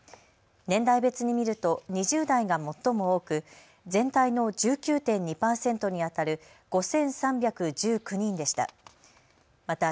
年代別に見ると２０代が最も多く全体の１９．２％にあたる５３１９人でした。